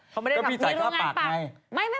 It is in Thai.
ก็พี่จ่ายค่าปักให้